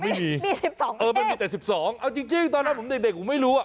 มันมีแต่๑๒เอาจริงตอนนั้นผมเด็กผมไม่รู้